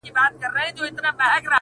نه د ژړا نه د خندا خاوند دی,